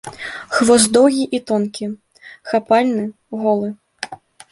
Хвост доўгі і тонкі, хапальны, голы.